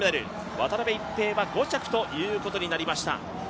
渡辺一平は５着ということになりました。